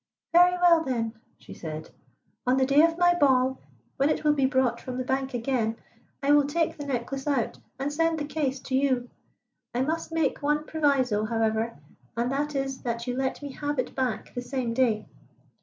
"Very well, then," she said. "On the day of my ball, when it will be brought from the bank again, I will take the necklace out and send the case to you. I must make one proviso, however, and that is that you let me have it back the same day."